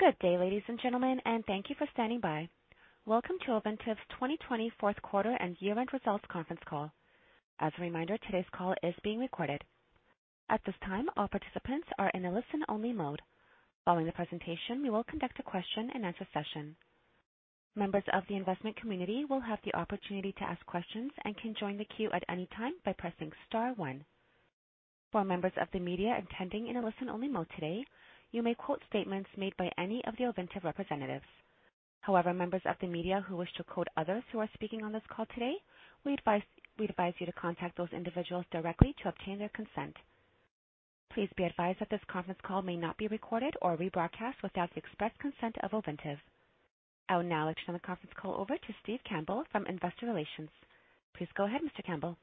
Good day, ladies and gentlemen, and thank you for standing by. Welcome to Ovintiv's 2020 fourth quarter and year-end results conference call. As a reminder, today's call is being recorded. At this time, all participants are in a listen-only mode. Following the presentation, we will conduct a question-and-answer session. Members of the investment community will have the opportunity to ask questions and can join the queue at any time by pressing star 1. For members of the media attending in a listen-only mode today, you may quote statements made by any of the Ovintiv representatives. However, members of the media who wish to quote others who are speaking on this call today, we'd advise you to contact those individuals directly to obtain their consent. Please be advised that this conference call may not be recorded or rebroadcast without the express consent of Ovintiv. I will now turn the conference call over to Steve Campbell from Investor Relations. Please go ahead, Mr. Campbell.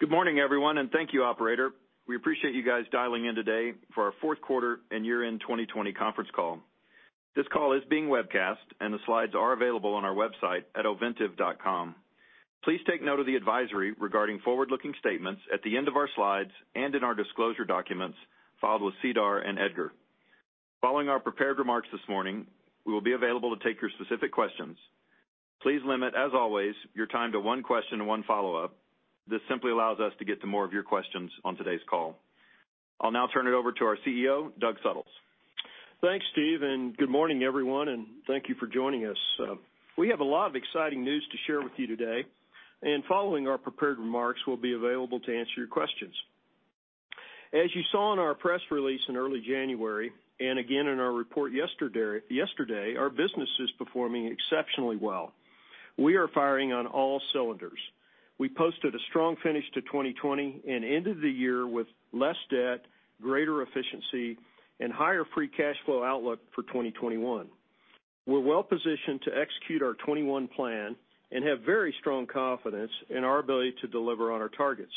Good morning, everyone, and thank you, operator. We appreciate you guys dialing in today for our fourth quarter and year-end 2020 conference call. This call is being webcast, and the slides are available on our website at ovintiv.com. Please take note of the advisory regarding forward-looking statements at the end of our slides and in our disclosure documents filed with SEDAR and EDGAR. Following our prepared remarks this morning, we will be available to take your specific questions. Please limit, as always, your time to one question and one follow-up. This simply allows us to get to more of your questions on today's call. I'll now turn it over to our CEO, Doug Suttles. Thanks, Steve, good morning, everyone, and thank you for joining us. We have a lot of exciting news to share with you today, and following our prepared remarks, we'll be available to answer your questions. As you saw in our press release in early January, and again in our report yesterday, our business is performing exceptionally well. We are firing on all cylinders. We posted a strong finish to 2020 and ended the year with less debt, greater efficiency, and higher free cash flow outlook for 2021. We're well-positioned to execute our 2021 plan and have very strong confidence in our ability to deliver on our targets.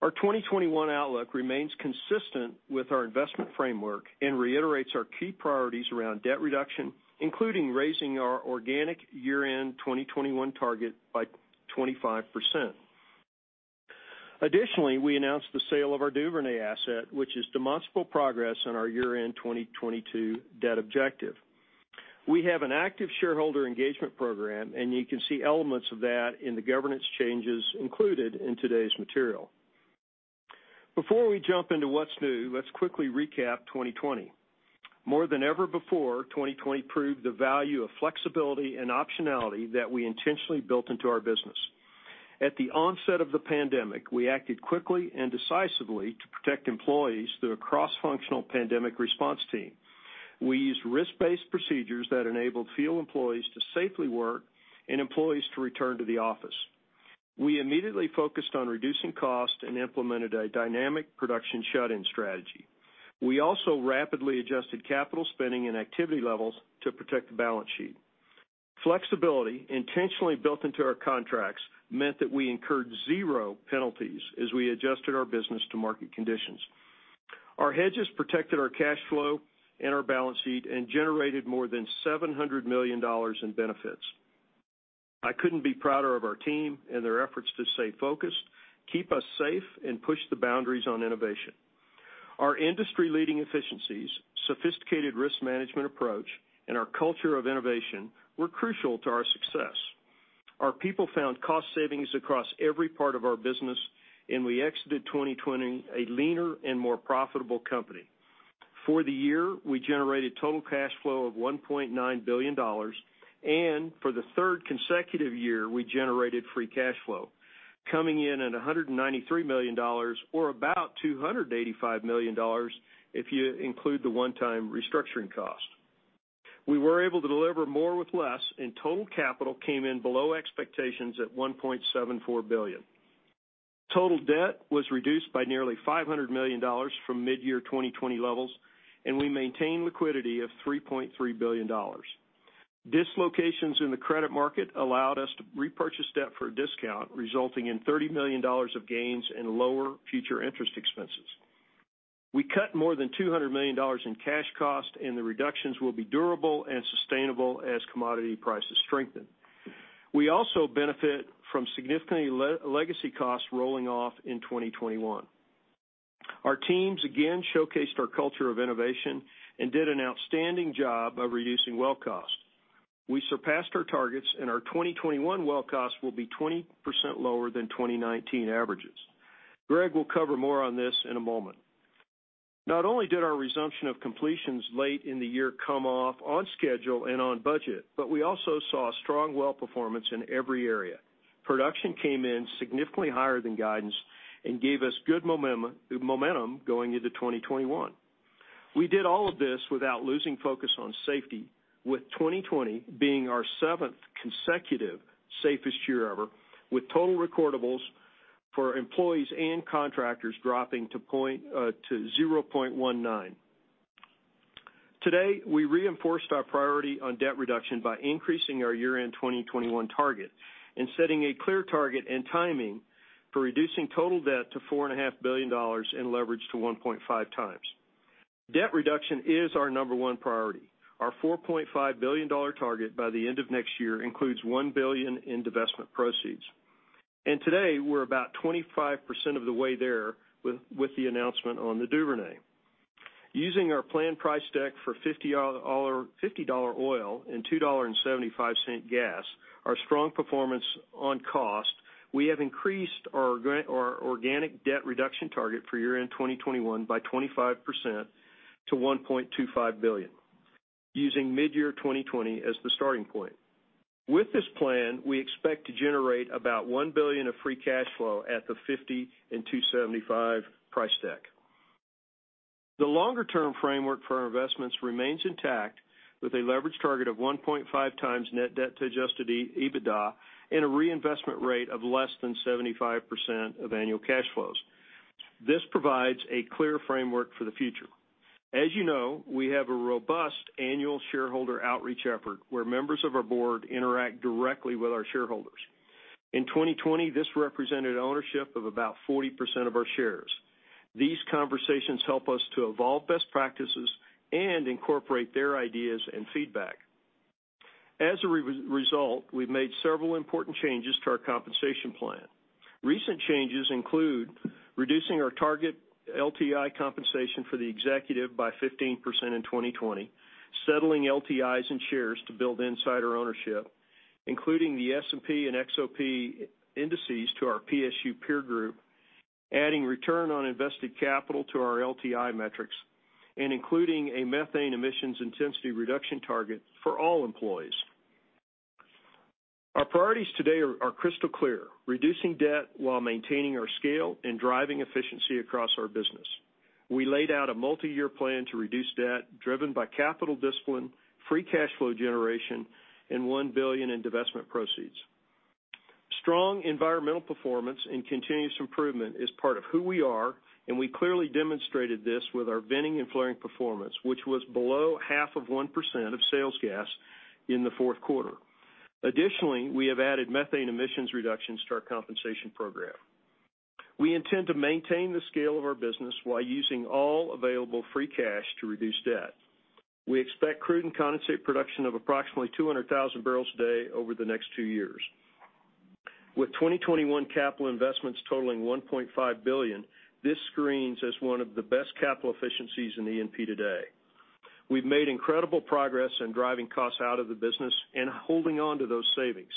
Our 2021 outlook remains consistent with our investment framework and reiterates our key priorities around debt reduction, including raising our organic year-end 2021 target by 25%. We announced the sale of our Duvernay asset, which is demonstrable progress on our year-end 2022 debt objective. We have an active shareholder engagement program, you can see elements of that in the governance changes included in today's material. Before we jump into what's new, let's quickly recap 2020. More than ever before, 2020 proved the value of flexibility and optionality that we intentionally built into our business. At the onset of the pandemic, we acted quickly and decisively to protect employees through a cross-functional pandemic response team. We used risk-based procedures that enabled field employees to safely work and employees to return to the office. We immediately focused on reducing cost and implemented a dynamic production shut-in strategy. We also rapidly adjusted capital spending and activity levels to protect the balance sheet. Flexibility intentionally built into our contracts meant that we incurred zero penalties as we adjusted our business to market conditions. Our hedges protected our cash flow and our balance sheet and generated more than $700 million in benefits. I couldn't be prouder of our team and their efforts to stay focused, keep us safe, and push the boundaries on innovation. Our industry-leading efficiencies, sophisticated risk management approach, and our culture of innovation were crucial to our success. Our people found cost savings across every part of our business, and we exited 2020 a leaner and more profitable company. For the year, we generated total cash flow of $1.9 billion, and for the third consecutive year, we generated free cash flow, coming in at $193 million, or about $285 million if you include the one-time restructuring cost. We were able to deliver more with less, and total capital came in below expectations at $1.74 billion. Total debt was reduced by nearly $500 million from mid-year 2020 levels, and we maintained liquidity of $3.3 billion. Dislocations in the credit market allowed us to repurchase debt for a discount, resulting in $30 million of gains and lower future interest expenses. We cut more than $200 million in cash cost, and the reductions will be durable and sustainable as commodity prices strengthen. We also benefit from significant legacy costs rolling off in 2021. Our teams again showcased our culture of innovation and did an outstanding job of reducing well cost. We surpassed our targets, and our 2021 well cost will be 20% lower than 2019 averages. Greg will cover more on this in a moment. Not only did our resumption of completions late in the year come off on schedule and on budget, but we also saw strong well performance in every area. Production came in significantly higher than guidance and gave us good momentum going into 2021. We did all of this without losing focus on safety, with 2020 being our seventh consecutive safest year ever, with total recordables for employees and contractors dropping to 0.19. Today, we reinforced our priority on debt reduction by increasing our year-end 2021 target and setting a clear target and timing for reducing total debt to $4.5 billion and leverage to 1.5 times. Debt reduction is our number one priority. Our $4.5 billion target by the end of next year includes $1 billion in divestment proceeds. Today, we're about 25% of the way there with the announcement on the Duvernay. Using our planned price deck for $50 oil and $2.75 gas, our strong performance on cost, we have increased our organic debt reduction target for year-end 2021 by 25% to $1.25 billion using midyear 2020 as the starting point. With this plan, we expect to generate about $1 billion of free cash flow at the 50 and 275 price deck. The longer-term framework for our investments remains intact with a leverage target of 1.5 times net debt to adjusted EBITDA and a reinvestment rate of less than 75% of annual cash flows. This provides a clear framework for the future. As you know, we have a robust annual shareholder outreach effort where members of our board interact directly with our shareholders. In 2020, this represented ownership of about 40% of our shares. These conversations help us to evolve best practices and incorporate their ideas and feedback. As a result, we've made several important changes to our compensation plan. Recent changes include reducing our target LTI compensation for the executive by 15% in 2020, settling LTIs and shares to build insider ownership, including the S&P and XOP indices to our PSU peer group, adding return on invested capital to our LTI metrics, and including a methane emissions intensity reduction target for all employees. Our priorities today are crystal clear, reducing debt while maintaining our scale and driving efficiency across our business. We laid out a multi-year plan to reduce debt driven by capital discipline, free cash flow generation, and $1 billion in divestment proceeds. Strong environmental performance and continuous improvement is part of who we are, and we clearly demonstrated this with our venting and flaring performance, which was below half of 1% of sales gas in the fourth quarter. Additionally, we have added methane emissions reductions to our compensation program. We intend to maintain the scale of our business while using all available free cash to reduce debt. We expect crude and condensate production of approximately 200,000 barrels a day over the next two years. With 2021 capital investments totaling $1.5 billion, this screens as one of the best capital efficiencies in E&P today. We've made incredible progress in driving costs out of the business and holding on to those savings.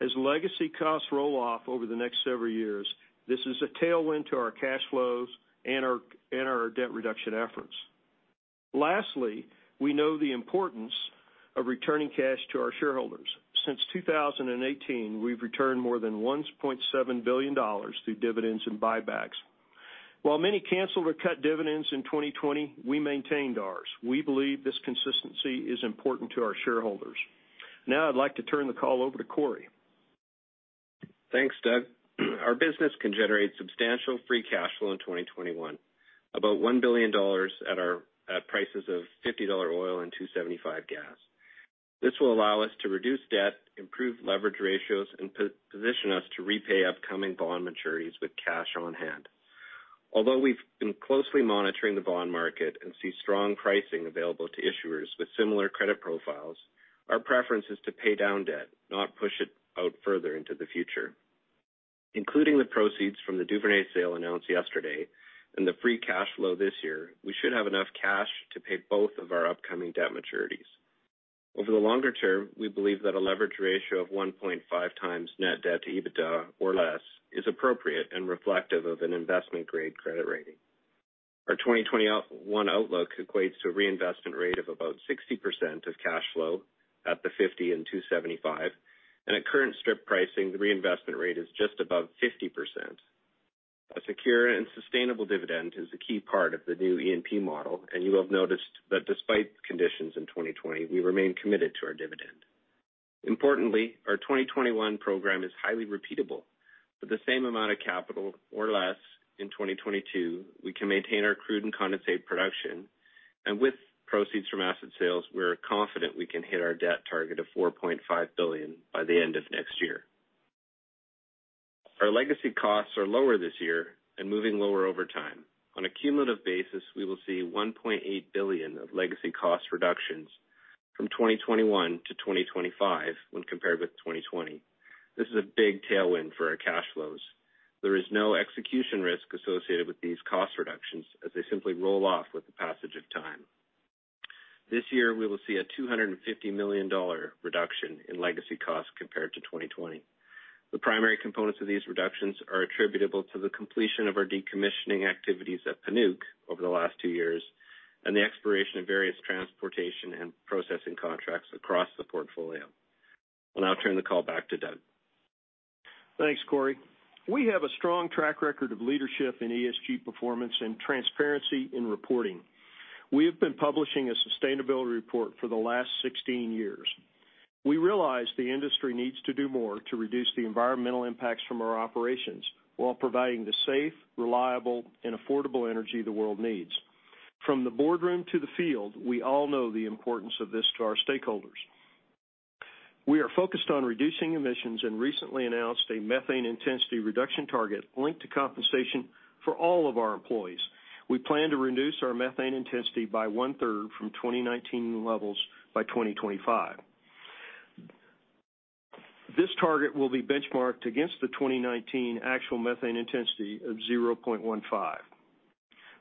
As legacy costs roll off over the next several years, this is a tailwind to our cash flows and our debt reduction efforts. Lastly, we know the importance of returning cash to our shareholders. Since 2018, we've returned more than $1.7 billion through dividends and buybacks. While many canceled or cut dividends in 2020, we maintained ours. We believe this consistency is important to our shareholders. Now I'd like to turn the call over to Corey. Thanks, Doug. Our business can generate substantial free cash flow in 2021, about $1 billion at prices of $50 oil and $275 gas. We've been closely monitoring the bond market and see strong pricing available to issuers with similar credit profiles, our preference is to pay down debt, not push it out further into the future. Including the proceeds from the Duvernay sale announced yesterday and the free cash flow this year, we should have enough cash to pay both of our upcoming debt maturities. Over the longer term, we believe that a leverage ratio of 1.5 times net debt to EBITDA or less is appropriate and reflective of an investment-grade credit rating. Our 2021 outlook equates to a reinvestment rate of about 60% of cash flow at the 50 and 275. At current strip pricing, the reinvestment rate is just above 50%. A secure and sustainable dividend is a key part of the new E&P model. You will have noticed that despite conditions in 2020, we remain committed to our dividend. Importantly, our 2021 program is highly repeatable. With the same amount of capital or less in 2022, we can maintain our crude and condensate production. With proceeds from asset sales, we're confident we can hit our debt target of $4.5 billion by the end of next year. Our legacy costs are lower this year and moving lower over time. On a cumulative basis, we will see $1.8 billion of legacy cost reductions from 2021 to 2025 when compared with 2020. This is a big tailwind for our cash flows. There is no execution risk associated with these cost reductions as they simply roll off with the passage of time. This year, we will see a $250 million reduction in legacy costs compared to 2020. The primary components of these reductions are attributable to the completion of our decommissioning activities at Deep Panuke over the last two years and the expiration of various transportation and processing contracts across the portfolio. I'll now turn the call back to Doug. Thanks, Corey. We have a strong track record of leadership in ESG performance and transparency in reporting. We have been publishing a sustainability report for the last 16 years. We realize the industry needs to do more to reduce the environmental impacts from our operations while providing the safe, reliable, and affordable energy the world needs. From the boardroom to the field, we all know the importance of this to our stakeholders. We are focused on reducing emissions and recently announced a methane intensity reduction target linked to compensation for all of our employees. We plan to reduce our methane intensity by one-third from 2019 levels by 2025. This target will be benchmarked against the 2019 actual methane intensity of 0.15.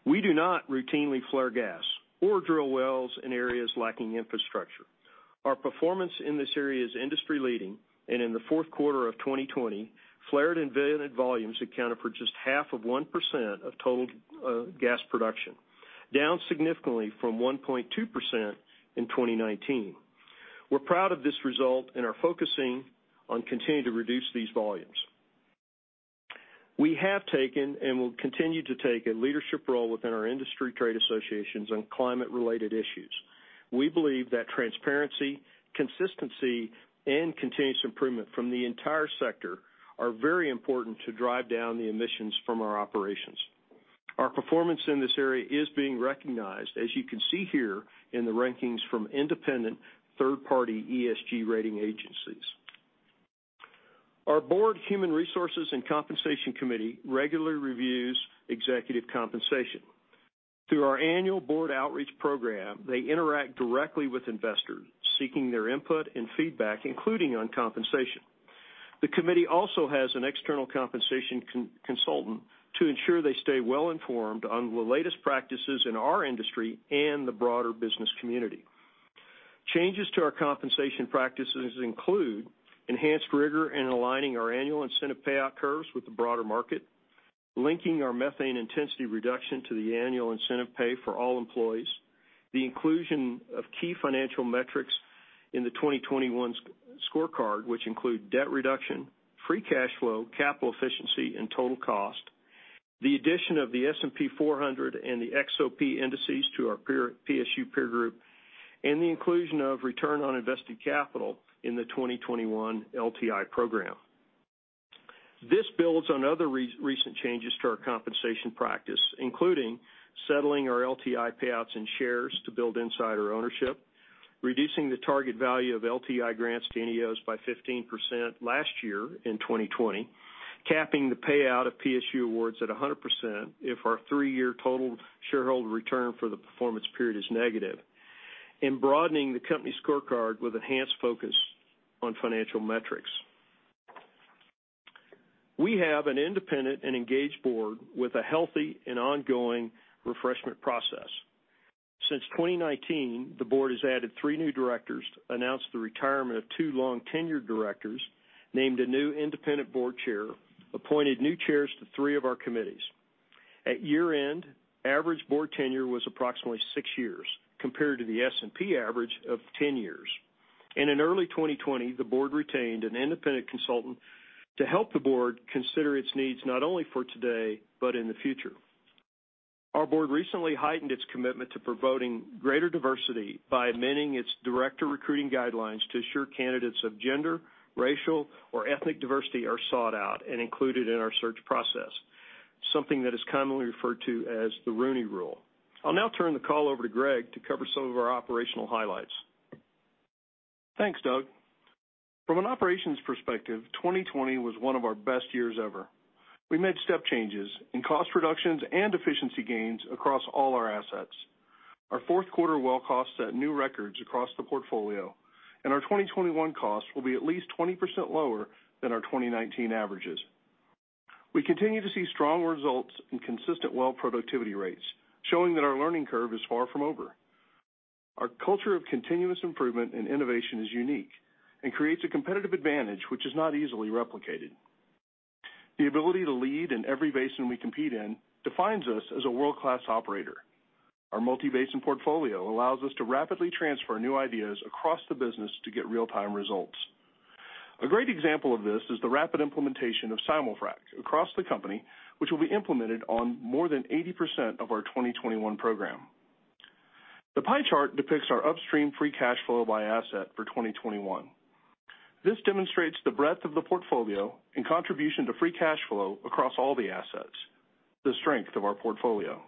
We do not routinely flare gas or drill wells in areas lacking infrastructure. Our performance in this area is industry-leading, and in the fourth quarter of 2020, flared and vented volumes accounted for just half of 1% of total gas production, down significantly from 1.2% in 2019. We're proud of this result and are focusing on continuing to reduce these volumes. We have taken, and will continue to take, a leadership role within our industry trade associations on climate-related issues. We believe that transparency, consistency, and continuous improvement from the entire sector are very important to drive down the emissions from our operations. Our performance in this area is being recognized, as you can see here in the rankings from independent third-party ESG rating agencies. Our board human resources and compensation committee regularly reviews executive compensation. Through our annual board outreach program, they interact directly with investors, seeking their input and feedback, including on compensation. The committee also has an external compensation consultant to ensure they stay well-informed on the latest practices in our industry and the broader business community. Changes to our compensation practices include enhanced rigor in aligning our annual incentive payout curves with the broader market, linking our methane intensity reduction to the annual incentive pay for all employees, the inclusion of key financial metrics in the 2021 scorecard, which include debt reduction, free cash flow, capital efficiency, and total cost, the addition of the S&P 400 and the XOP indices to our PSU peer group, and the inclusion of return on invested capital in the 2021 LTI program. This builds on other recent changes to our compensation practice, including settling our LTI payouts in shares to build insider ownership, reducing the target value of LTI grants to NEOs by 15% last year in 2020, capping the payout of PSU awards at 100% if our three-year total shareholder return for the performance period is negative, and broadening the company scorecard with enhanced focus on financial metrics. We have an independent and engaged board with a healthy and ongoing refreshment process. Since 2019, the board has added three new directors, announced the retirement of two long-tenured directors, named a new independent board chair, appointed new chairs to three of our committees. At year-end, average board tenure was approximately six years compared to the S&P average of 10 years. In early 2020, the board retained an independent consultant to help the board consider its needs, not only for today, but in the future. Our board recently heightened its commitment to promoting greater diversity by amending its director recruiting guidelines to ensure candidates of gender, racial, or ethnic diversity are sought out and included in our search process. Something that is commonly referred to as the Rooney Rule. I'll now turn the call over to Greg to cover some of our operational highlights. Thanks, Doug. From an operations perspective, 2020 was one of our best years ever. We made step changes in cost reductions and efficiency gains across all our assets. Our fourth quarter well costs set new records across the portfolio, and our 2021 costs will be at least 20% lower than our 2019 averages. We continue to see strong results in consistent well productivity rates, showing that our learning curve is far from over. Our culture of continuous improvement and innovation is unique and creates a competitive advantage, which is not easily replicated. The ability to lead in every basin we compete in defines us as a world-class operator. Our multi-basin portfolio allows us to rapidly transfer new ideas across the business to get real-time results. A great example of this is the rapid implementation of simul-frac across the company, which will be implemented on more than 80% of our 2021 program. The pie chart depicts our upstream free cash flow by asset for 2021. This demonstrates the breadth of the portfolio and contribution to free cash flow across all the assets, the strength of our portfolio.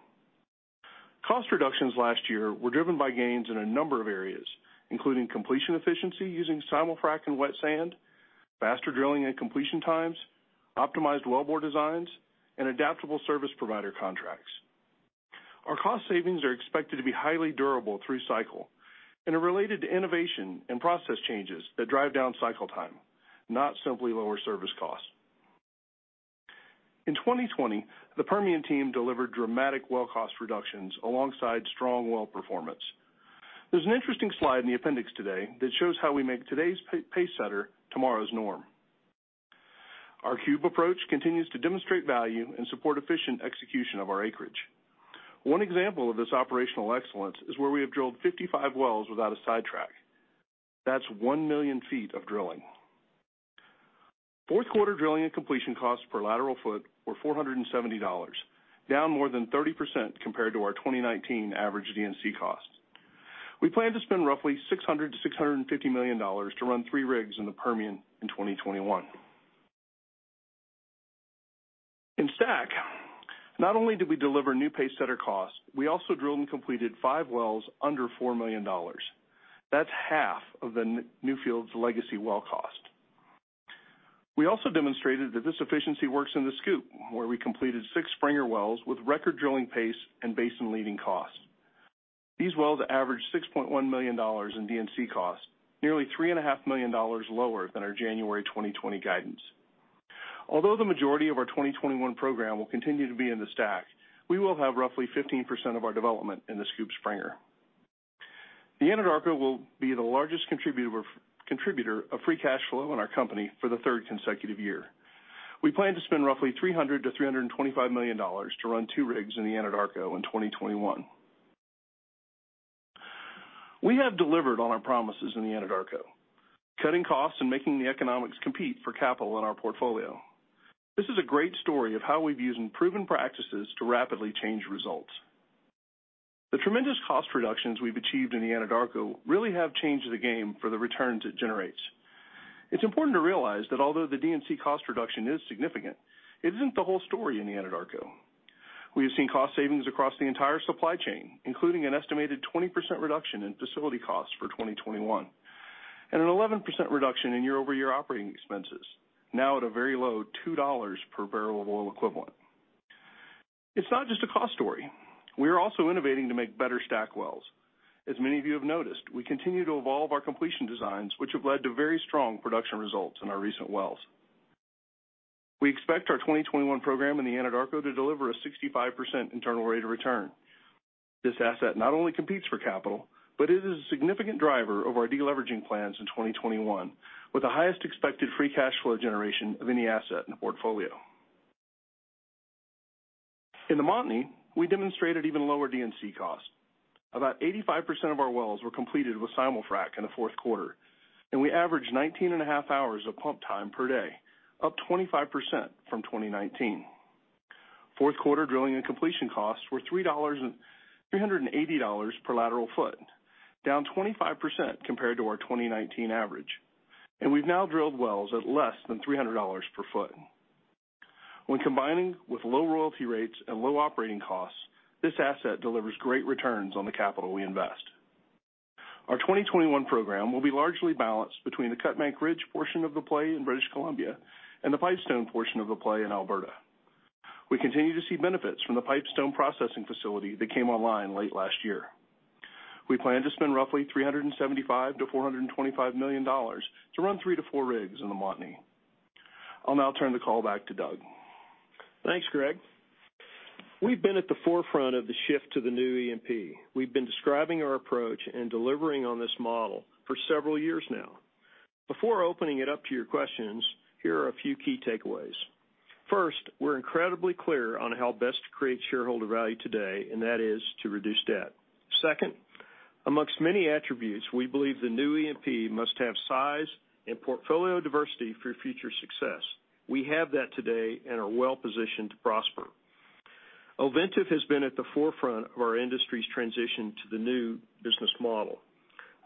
Cost reductions last year were driven by gains in a number of areas, including completion efficiency using simul-frac and wet sand, faster drilling and completion times, optimized wellbore designs, and adaptable service provider contracts. Our cost savings are expected to be highly durable through cycle and are related to innovation and process changes that drive down cycle time, not simply lower service costs. In 2020, the Permian team delivered dramatic well cost reductions alongside strong well performance. There's an interesting slide in the appendix today that shows how we make today's pace setter tomorrow's norm. Our cube approach continues to demonstrate value and support efficient execution of our acreage. One example of this operational excellence is where we have drilled 55 wells without a sidetrack. That's one million feet of drilling. Fourth quarter drilling and completion costs per lateral foot were $470, down more than 30% compared to our 2019 average D&C cost. We plan to spend roughly $600 million-$650 million to run three rigs in the Permian in 2021. In STACK, not only did we deliver new pace setter costs, we also drilled and completed five wells under $4 million. That's half of the Newfield's legacy well cost. We also demonstrated that this efficiency works in the SCOOP, where we completed six Springer wells with record drilling pace and basin-leading cost. These wells average $6.1 million in D&C costs, nearly $3.5 million lower than our January 2020 guidance. Although the majority of our 2021 program will continue to be in the STACK, we will have roughly 15% of our development in the SCOOP/Springer. The Anadarko will be the largest contributor of free cash flow in our company for the third consecutive year. We plan to spend roughly $300 million-$325 million to run two rigs in the Anadarko in 2021. We have delivered on our promises in the Anadarko, cutting costs and making the economics compete for capital in our portfolio. This is a great story of how we've used proven practices to rapidly change results. The tremendous cost reductions we've achieved in the Anadarko really have changed the game for the returns it generates. It's important to realize that although the D&C cost reduction is significant, it isn't the whole story in the Anadarko. We have seen cost savings across the entire supply chain, including an estimated 20% reduction in facility costs for 2021, and an 11% reduction in year-over-year operating expenses, now at a very low $2 per barrel of oil equivalent. It's not just a cost story. We are also innovating to make better STACK wells. As many of you have noticed, we continue to evolve our completion designs, which have led to very strong production results in our recent wells. We expect our 2021 program in the Anadarko to deliver a 65% internal rate of return. This asset not only competes for capital, but it is a significant driver of our de-leveraging plans in 2021, with the highest expected free cash flow generation of any asset in the portfolio. In the Montney, we demonstrated even lower D&C costs. About 85% of our wells were completed with simul-frac in the fourth quarter, and we averaged 19.5 hours of pump time per day, up 25% from 2019. Fourth quarter drilling and completion costs were $380 per lateral foot, down 25% compared to our 2019 average. We've now drilled wells at less than $300 per foot. When combining with low royalty rates and low operating costs, this asset delivers great returns on the capital we invest. Our 2021 program will be largely balanced between the Cutbank Ridge portion of the play in British Columbia and the Pipestone portion of the play in Alberta. We continue to see benefits from the Pipestone processing facility that came online late last year. We plan to spend roughly $375 million-$425 million to run three to four rigs in the Montney. I'll now turn the call back to Doug. Thanks, Greg. We've been at the forefront of the shift to the new E&P. We've been describing our approach and delivering on this model for several years now. Before opening it up to your questions, here are a few key takeaways. First, we're incredibly clear on how best to create shareholder value today, and that is to reduce debt. Second, amongst many attributes, we believe the new E&P must have size and portfolio diversity for future success. We have that today and are well-positioned to prosper. Ovintiv has been at the forefront of our industry's transition to the new business model.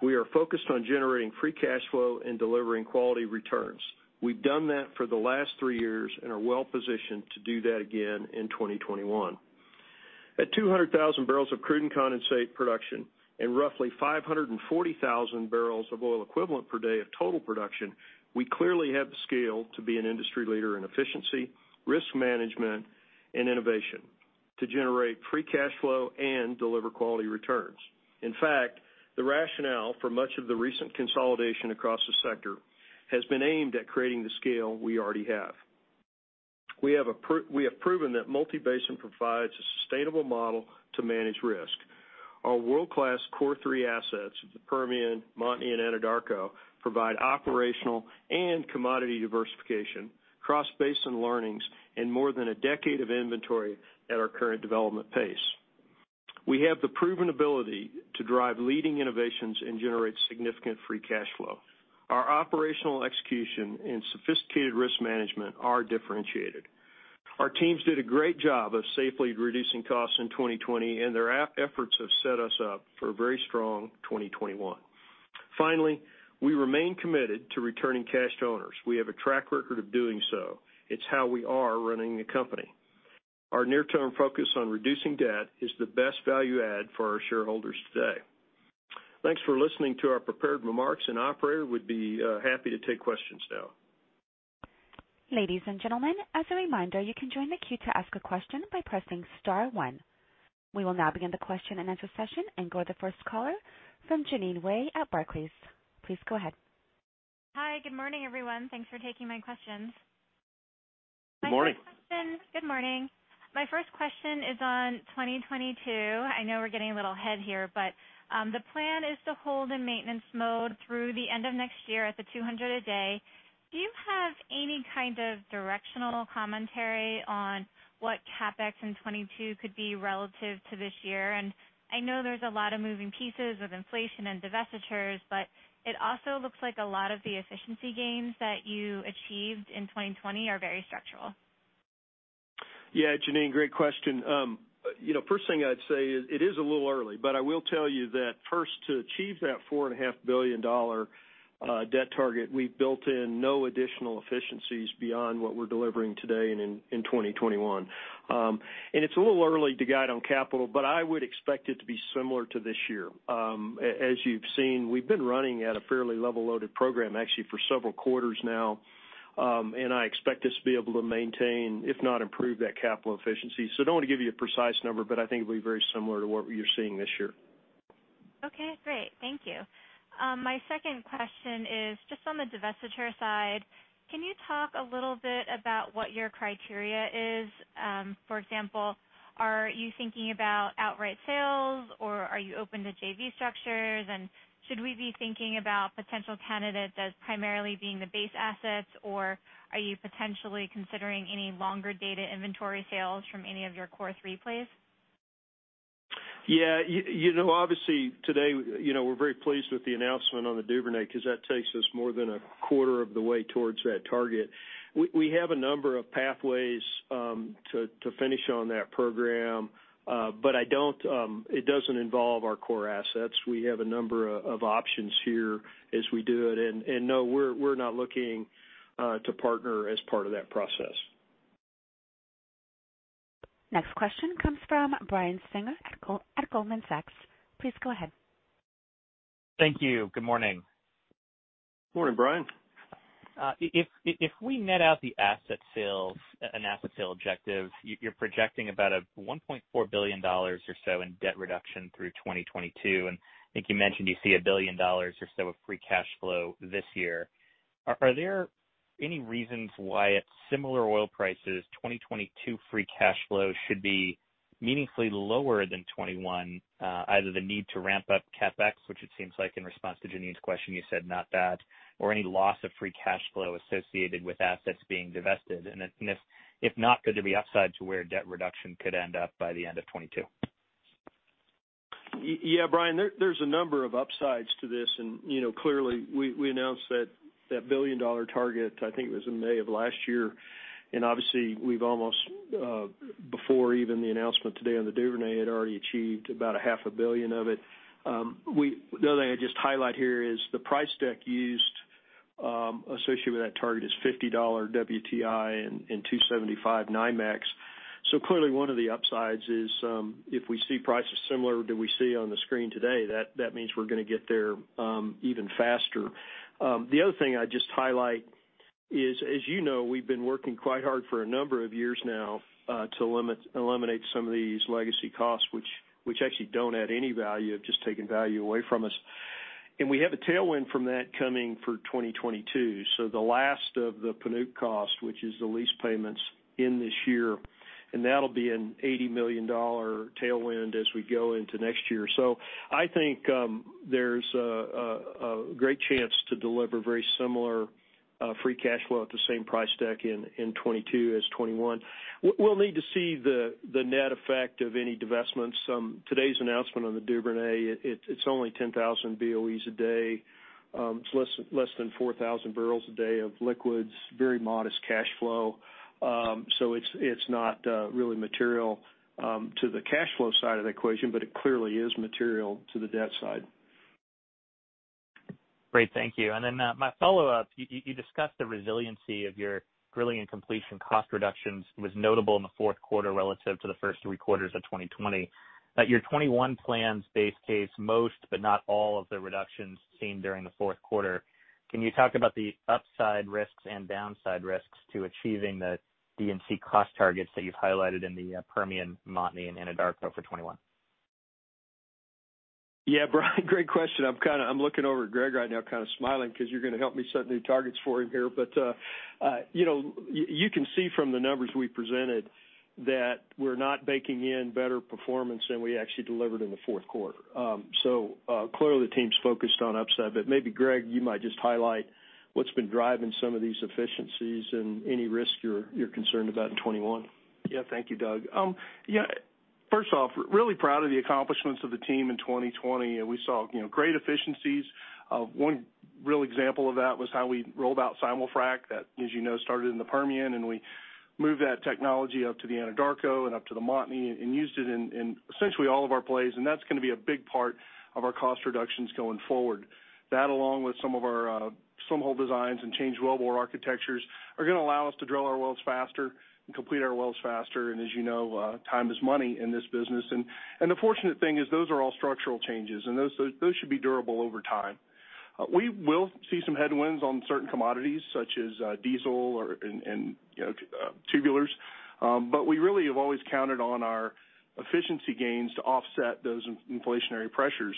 We are focused on generating free cash flow and delivering quality returns. We've done that for the last three years and are well-positioned to do that again in 2021. At 200,000 barrels of crude and condensate production and roughly 540,000 barrels of oil equivalent per day of total production, we clearly have the scale to be an industry leader in efficiency, risk management, and innovation to generate free cash flow and deliver quality returns. In fact, the rationale for much of the recent consolidation across the sector has been aimed at creating the scale we already have. We have proven that multi-basin provides a sustainable model to manage risk. Our world-class core three assets, the Permian, Montney, and Anadarko, provide operational and commodity diversification, cross-basin learnings, and more than a decade of inventory at our current development pace. We have the proven ability to drive leading innovations and generate significant free cash flow. Our operational execution and sophisticated risk management are differentiated. Our teams did a great job of safely reducing costs in 2020, and their efforts have set us up for a very strong 2021. Finally, we remain committed to returning cash to owners. We have a track record of doing so. It's how we are running the company. Our near-term focus on reducing debt is the best value add for our shareholders today. Thanks for listening to our prepared remarks, and operator, we'd be happy to take questions now. We will now begin the question-and-answer session and go to the first caller from Jeanine Wai at Barclays. Please go ahead. Hi. Good morning, everyone. Thanks for taking my questions. Good morning. Good morning. My first question is on 2022. I know we're getting a little ahead here, but the plan is to hold in maintenance mode through the end of next year at the 200 a day. Do you have any kind of directional commentary on what CapEx in 2022 could be relative to this year? I know there's a lot of moving pieces with inflation and divestitures, but it also looks like a lot of the efficiency gains that you achieved in 2020 are very structural. Yeah, Jeanine, great question. First thing I'd say is it is a little early, but I will tell you that first, to achieve that $4.5 billion debt target, we've built in no additional efficiencies beyond what we're delivering today and in 2021. It's a little early to guide on capital, but I would expect it to be similar to this year. As you've seen, we've been running at a fairly level-loaded program actually for several quarters now. I expect us to be able to maintain, if not improve, that capital efficiency. So I don't want to give you a precise number, but I think it will be very similar to what you're seeing this year. Okay, great. Thank you. My second question is just on the divestiture side. Can you talk a little bit about what your criteria is? For example, are you thinking about outright sales, or are you open to JV structures, and should we be thinking about potential candidates as primarily being the base assets, or are you potentially considering any longer-dated inventory sales from any of your core three plays? Obviously, today we're very pleased with the announcement on the Duvernay because that takes us more than a quarter of the way towards that target. We have a number of pathways to finish on that program. It doesn't involve our core assets. We have a number of options here as we do it. No, we're not looking to partner as part of that process. Next question comes from Brian Singer at Goldman Sachs. Please go ahead. Thank you. Good morning. Morning, Brian. If we net out the asset sales and asset sale objective, you're projecting about a $1.4 billion or so in debt reduction through 2022, and I think you mentioned you see $1 billion or so of free cash flow this year. Are there any reasons why, at similar oil prices, 2022 free cash flow should be meaningfully lower than 2021? Either the need to ramp up CapEx, which it seems like in response to Jeanine's question, you said not that, or any loss of free cash flow associated with assets being divested. If not, could there be upside to where debt reduction could end up by the end of 2022? Yeah, Brian, there's a number of upsides to this. Clearly, we announced that $1 billion target, I think it was in May of last year. Obviously, we've almost, before even the announcement today on the Duvernay, had already achieved about a half a billion of it. The other thing I'd just highlight here is the price deck used associated with that target is $50 WTI and $275 NYMEX. Clearly one of the upsides is if we see prices similar that we see on the screen today, that means we're going to get there even faster. The other thing I'd just highlight is, as you know, we've been working quite hard for a number of years now to eliminate some of these legacy costs, which actually don't add any value, have just taken value away from us. We have a tailwind from that coming for 2022. The last of the Panuke cost, which is the lease payments, end this year, and that'll be an $80 million tailwind as we go into next year. I think there's a great chance to deliver very similar free cash flow at the same price deck in 2022 as 2021. We'll need to see the net effect of any divestments. Today's announcement on the Duvernay, it's only 10,000 BOEs a day. It's less than 4,000 barrels a day of liquids, very modest cash flow. It's not really material to the cash flow side of the equation, but it clearly is material to the debt side. Great. Thank you. My follow-up, you discussed the resiliency of your drilling and completion cost reductions was notable in the fourth quarter relative to the first three quarters of 2020. At your 2021 plans base case, most, but not all of the reductions seen during the fourth quarter, can you talk about the upside risks and downside risks to achieving the D&C cost targets that you've highlighted in the Permian, Montney, and Anadarko for 2021? Yeah, Brian, great question. I'm looking over at Greg right now kind of smiling because you're going to help me set new targets for him here. You can see from the numbers we presented that we're not baking in better performance than we actually delivered in the fourth quarter. Clearly, the team's focused on upside. Maybe Greg, you might just highlight what's been driving some of these efficiencies and any risk you're concerned about in 2021. Yeah. Thank you, Doug. First off, really proud of the accomplishments of the team in 2020. We saw great efficiencies. One real example of that was how we rolled out simul-frac that, as you know, started in the Permian, and we moved that technology up to the Anadarko and up to the Montney and used it in essentially all of our plays, and that's going to be a big part of our cost reductions going forward. That, along with some of our slim hole designs and change well bore architectures, are going to allow us to drill our wells faster and complete our wells faster. As you know, time is money in this business. The fortunate thing is those are all structural changes, and those should be durable over time. We will see some headwinds on certain commodities, such as diesel and tubulars. We really have always counted on our efficiency gains to offset those inflationary pressures.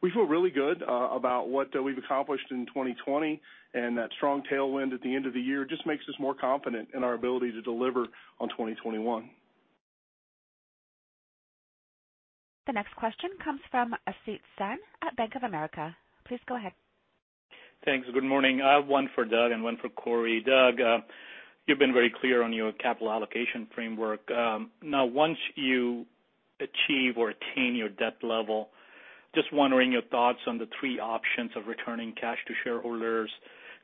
We feel really good about what we've accomplished in 2020, and that strong tailwind at the end of the year just makes us more confident in our ability to deliver on 2021. The next question comes from Asit Sen at Bank of America. Please go ahead. Thanks. Good morning. I have one for Doug and one for Corey. Doug, you've been very clear on your capital allocation framework. Once you achieve or attain your debt level, just wondering your thoughts on the three options of returning cash to shareholders,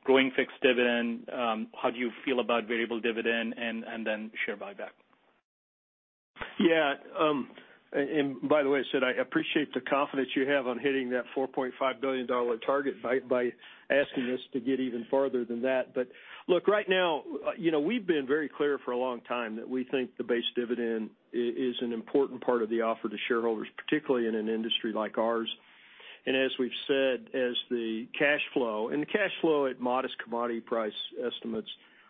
growing fixed dividend, how do you feel about variable dividend, and then share buyback? Yeah. By the way, Asit, I appreciate the confidence you have on hitting that $4.5 billion target by asking us to get even farther than that. Look, right now. We've been very clear for a long time that we think the base dividend is an important part of the offer to shareholders, particularly in an industry like ours. As we've said, as the cash flow, and the cash flow at modest commodity price estimates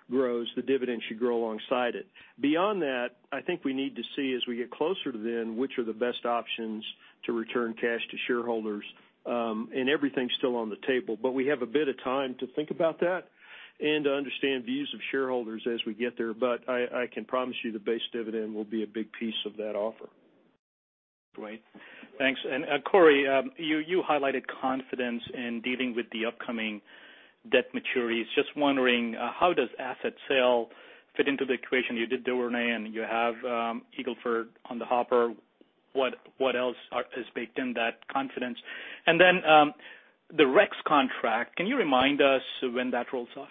grows, the dividend should grow alongside it. Beyond that, I think we need to see as we get closer to then, which are the best options to return cash to shareholders. Everything's still on the table, but we have a bit of time to think about that and to understand views of shareholders as we get there. I can promise you the base dividend will be a big piece of that offer. Great. Thanks. Corey, you highlighted confidence in dealing with the upcoming debt maturities. Just wondering, how does asset sale fit into the equation? You did Duvernay, and you have Eagle Ford on the hopper. What else is baked in that confidence? The REX contract, can you remind us when that rolls off?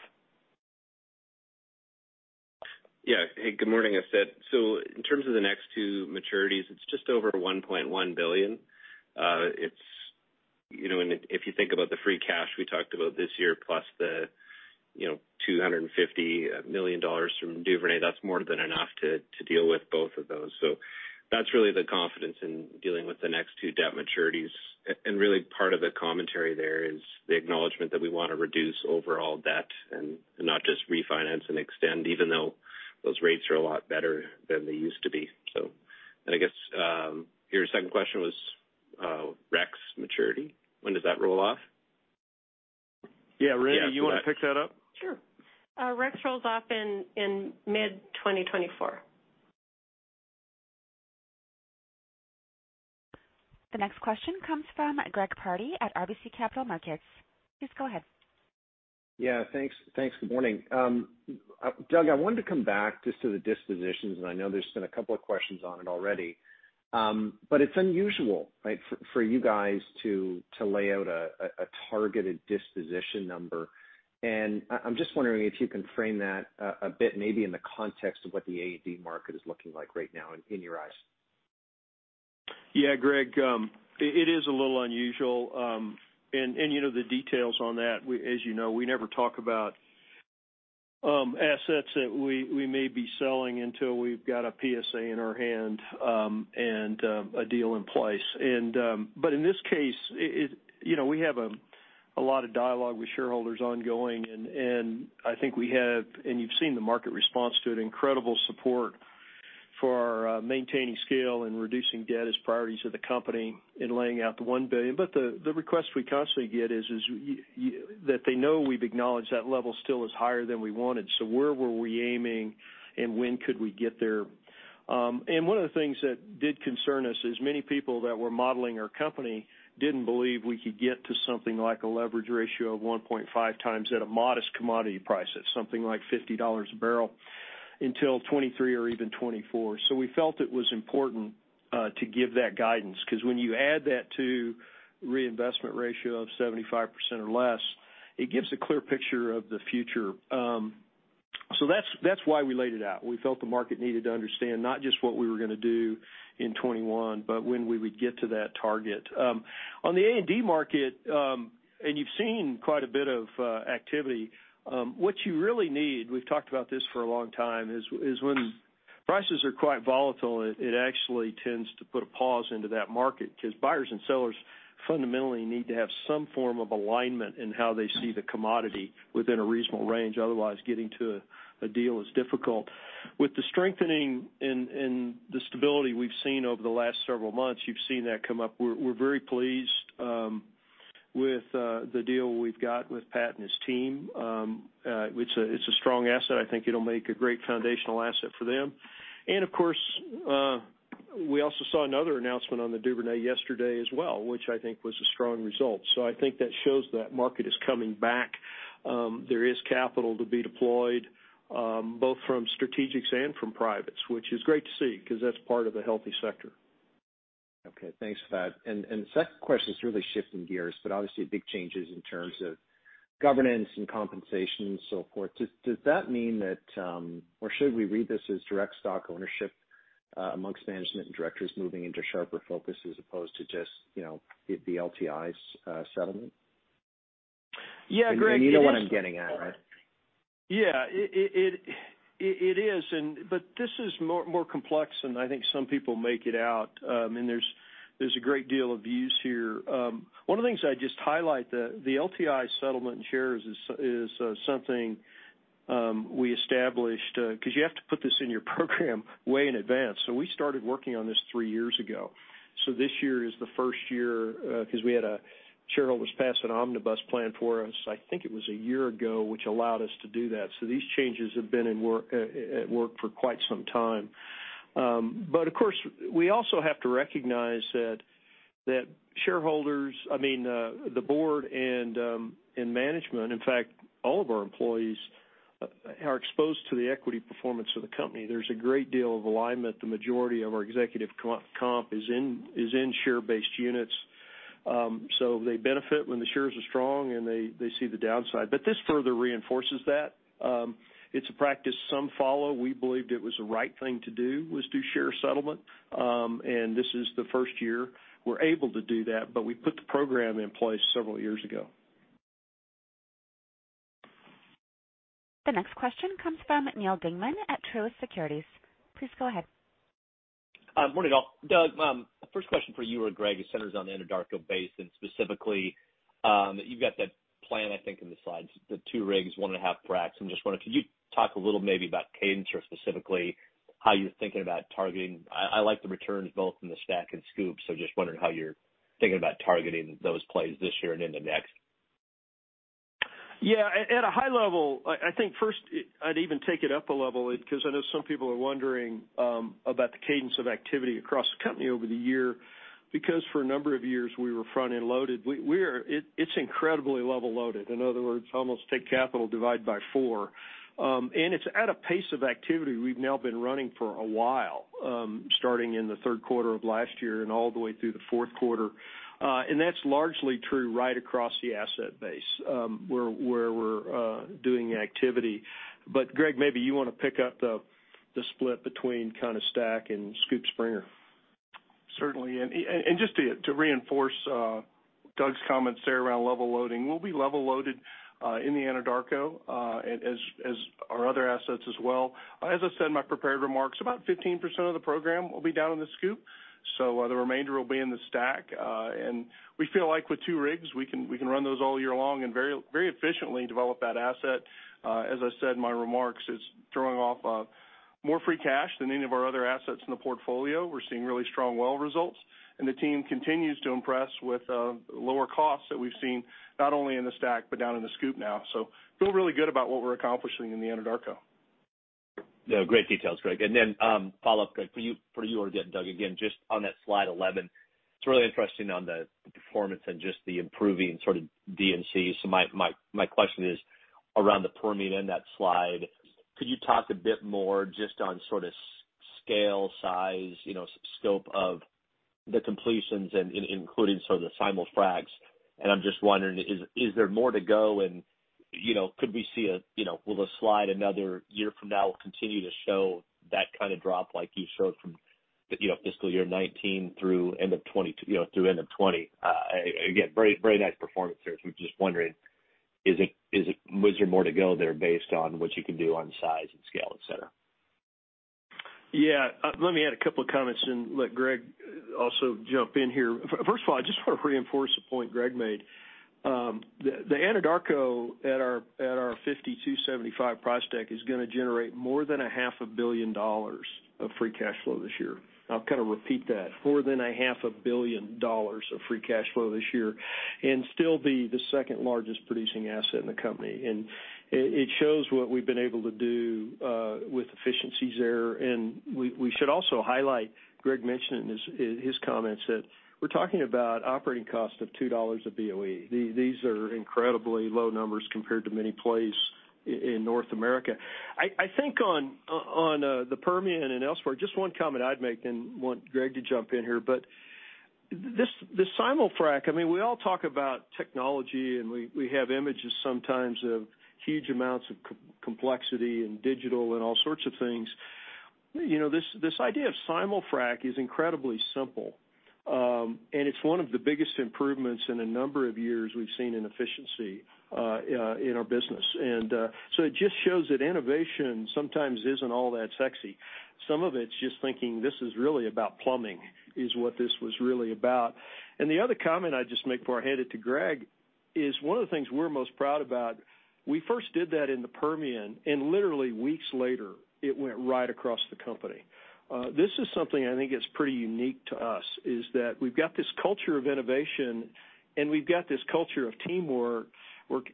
Yeah. Hey, good morning, Asit. In terms of the next two maturities, it's just over $1.1 billion. If you think about the free cash we talked about this year plus the $250 million from Duvernay, that's more than enough to deal with both of those. That's really the confidence in dealing with the next two debt maturities. Really part of the commentary there is the acknowledgement that we want to reduce overall debt and not just refinance and extend, even though those rates are a lot better than they used to be. I guess your second question was REX maturity. When does that roll off? Yeah. Randy, you want to pick that up? Sure. REX rolls off in mid 2024. The next question comes from Greg Pardy at RBC Capital Markets. Please go ahead. Yeah. Thanks. Good morning. Doug, I wanted to come back just to the dispositions, and I know there's been a couple of questions on it already. It's unusual for you guys to lay out a targeted disposition number. I'm just wondering if you can frame that a bit, maybe in the context of what the A&D market is looking like right now in your eyes. Yeah, Greg, it is a little unusual. The details on that, as you know, we never talk about assets that we may be selling until we've got a PSA in our hand, and a deal in place. In this case, we have a lot of dialogue with shareholders ongoing, and I think we have, and you've seen the market response to it, incredible support for maintaining scale and reducing debt as priorities of the company in laying out the $1 billion. The request we constantly get is that they know we've acknowledged that level still is higher than we wanted. Where were we aiming and when could we get there? One of the things that did concern us is many people that were modeling our company didn't believe we could get to something like a leverage ratio of 1.5 times at a modest commodity price at something like $50 a barrel until 2023 or even 2024. We felt it was important to give that guidance, because when you add that to reinvestment ratio of 75% or less, it gives a clear picture of the future. That's why we laid it out. We felt the market needed to understand not just what we were going to do in 2021, but when we would get to that target. On the A&D market, you've seen quite a bit of activity. What you really need, we've talked about this for a long time, is when prices are quite volatile, it actually tends to put a pause into that market because buyers and sellers fundamentally need to have some form of alignment in how they see the commodity within a reasonable range. Otherwise, getting to a deal is difficult. With the strengthening and the stability we've seen over the last several months, you've seen that come up. We're very pleased with the deal we've got with Pat and his team. It's a strong asset. I think it'll make a great foundational asset for them. Of course, we also saw another announcement on the Duvernay yesterday as well, which I think was a strong result. I think that shows that market is coming back. There is capital to be deployed, both from strategics and from privates, which is great to see because that's part of a healthy sector. Okay. Thanks for that. The second question is really shifting gears, but obviously big changes in terms of governance and compensation and so forth. Does that mean that, or should we read this as direct stock ownership amongst management and directors moving into sharper focus as opposed to just the LTIs settlement? Yeah, Greg. You know what I'm getting at, right? Yeah. It is. This is more complex than I think some people make it out. There's a great deal of views here. One of the things I'd just highlight, the LTI settlement and shares is something we established because you have to put this in your program way in advance. We started working on this three years ago. This year is the first year because we had shareholders pass an omnibus plan for us, I think it was a year ago, which allowed us to do that. These changes have been at work for quite some time. Of course, we also have to recognize that shareholders, the board, and management, in fact, all of our employees are exposed to the equity performance of the company. There's a great deal of alignment. The majority of our executive comp is in share-based units. They benefit when the shares are strong, and they see the downside. This further reinforces that. It's a practice some follow. We believed it was the right thing to do was do share settlement. This is the first year we're able to do that, but we put the program in place several years ago. The next question comes from Neal Dingmann at Truist Securities. Please go ahead. Morning, all. Doug, first question for you or Greg. It centers on the Anadarko Basin, specifically, you've got that plan, I think, in the slides, the two rigs, one and a half fracs. I'm just wondering, could you talk a little maybe about cadence or specifically how you're thinking about targeting? I like the returns both in the STACK and SCOOP. Just wondering how you're thinking about targeting those plays this year and into next. Yeah. At a high level, I think first I'd even take it up a level, because I know some people are wondering about the cadence of activity across the company over the year, because for a number of years we were front-end loaded. It's incredibly level loaded. In other words, almost take capital, divide by four. It's at a pace of activity we've now been running for a while, starting in the third quarter of last year and all the way through the fourth quarter. That's largely true right across the asset base, where we're doing activity. Greg, maybe you want to pick up the split between kind of STACK and SCOOP/Springer. Certainly. Just to reinforce Doug's comments there around level loading, we'll be level loaded in the Anadarko, as our other assets as well. As I said in my prepared remarks, about 15% of the program will be down in the SCOOP, so the remainder will be in the STACK. We feel like with two rigs, we can run those all year long and very efficiently develop that asset. As I said in my remarks, it's throwing off more free cash than any of our other assets in the portfolio. We're seeing really strong well results, and the team continues to impress with lower costs that we've seen not only in the STACK, but down in the SCOOP now. Feel really good about what we're accomplishing in the Anadarko. No, great details, Greg. Then follow-up, Greg, for you or Doug, again, just on that slide 11, it's really interesting on the performance and just the improving sort of D&C. My question is around the Permian in that slide. Could you talk a bit more just on sort of scale, size, scope of the completions, and including some of the simul-fracs? I'm just wondering, is there more to go, and will the slide another year from now will continue to show that kind of drop like you showed from fiscal year 2019 through end of 2020? Again, very nice performance there. I'm just wondering is there more to go there based on what you can do on size and scale, et cetera? Let me add a couple of comments and let Greg also jump in here. First of all, I just want to reinforce a point Greg made. The Anadarko at our 50,275 price deck is going to generate more than a half a billion dollars of free cash flow this year. I'll kind of repeat that. More than a half a billion dollars of free cash flow this year, still be the second-largest producing asset in the company. It shows what we've been able to do with efficiencies there. We should also highlight, Greg mentioned in his comments that we're talking about operating cost of $2 a BOE. These are incredibly low numbers compared to many plays in North America. I think on the Permian and elsewhere, just one comment I'd make, and want Greg to jump in here, but the simul-frac, I mean, we all talk about technology, and we have images sometimes of huge amounts of complexity and digital and all sorts of things. This idea of simul-frac is incredibly simple. It's one of the biggest improvements in a number of years we've seen in efficiency in our business. It just shows that innovation sometimes isn't all that sexy. Some of it's just thinking this is really about plumbing, is what this was really about. The other comment I'd just make before I hand it to Greg is one of the things we're most proud about, we first did that in the Permian, and literally weeks later, it went right across the company. This is something I think is pretty unique to us, is that we've got this culture of innovation, and we've got this culture of teamwork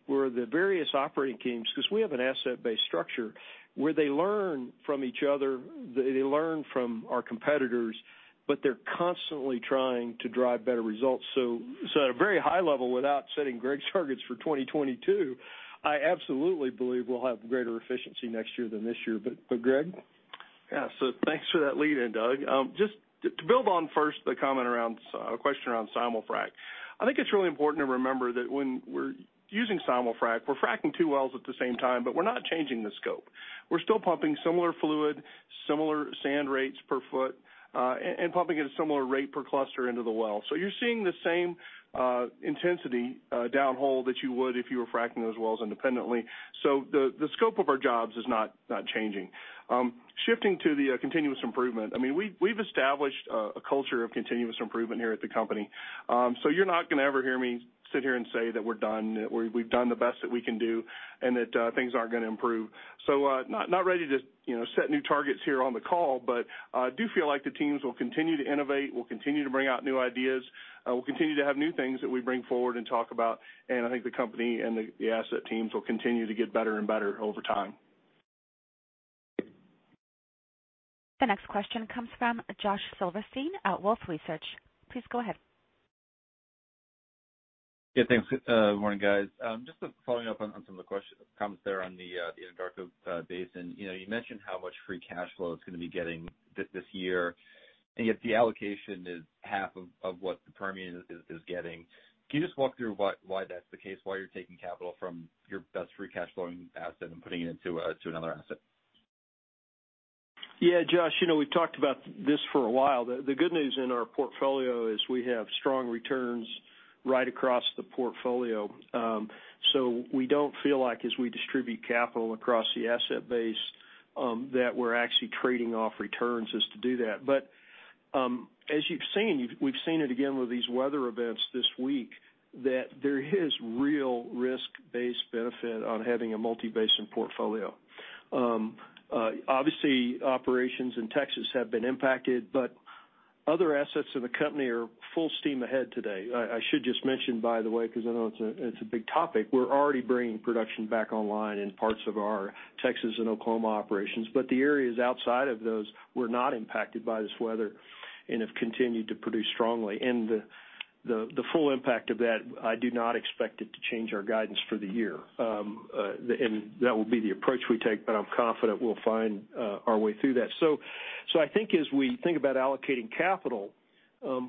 where the various operating teams, because we have an asset-based structure, where they learn from each other, they learn from our competitors, but they're constantly trying to drive better results. At a very high level, without setting Greg's targets for 2022, I absolutely believe we'll have greater efficiency next year than this year. Greg? Yeah. Thanks for that lead in, Doug. Just to build on first the question around simul-frac. I think it's really important to remember that when we're using simul-frac, we're fracking two wells at the same time, but we're not changing the scope. We're still pumping similar fluid, similar sand rates per foot, and pumping at a similar rate per cluster into the well. You're seeing the same intensity downhole that you would if you were fracking those wells independently. The scope of our jobs is not changing. Shifting to the continuous improvement, we've established a culture of continuous improvement here at the company. You're not going to ever hear me sit here and say that we're done, that we've done the best that we can do, and that things aren't going to improve. Not ready to set new targets here on the call, but I do feel like the teams will continue to innovate, will continue to bring out new ideas, will continue to have new things that we bring forward and talk about. I think the company and the asset teams will continue to get better and better over time. The next question comes from Josh Silverstein at Wolfe Research. Please go ahead. Yeah, thanks. Morning, guys. Just following up on some of the comments there on the Anadarko Basin. You mentioned how much free cash flow it's going to be getting this year, and yet the allocation is half of what the Permian is getting. Can you just walk through why that's the case, why you're taking capital from your best free cash flowing asset and putting it into another asset? Yeah, Josh, we've talked about this for a while. The good news in our portfolio is we have strong returns right across the portfolio. We don't feel like as we distribute capital across the asset base, that we're actually trading off returns as to do that. As you've seen, we've seen it again with these weather events this week, that there is real risk-based benefit on having a multi-basin portfolio. Obviously, operations in Texas have been impacted, but other assets of the company are full steam ahead today. I should just mention, by the way, because I know it's a big topic, we're already bringing production back online in parts of our Texas and Oklahoma operations. The areas outside of those were not impacted by this weather and have continued to produce strongly. The full impact of that, I do not expect it to change our guidance for the year. That will be the approach we take, but I'm confident we'll find our way through that. I think as we think about allocating capital,